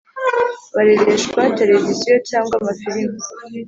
Barereshwa tereviziyo cyangwa amafirimi.